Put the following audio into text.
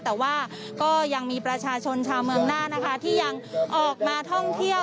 แต่ว่าก็ยังมีประชาชนชาวเมืองหน้านะคะที่ยังออกมาท่องเที่ยว